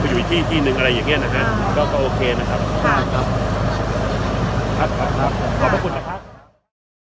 ครับครับขอบคุณครับ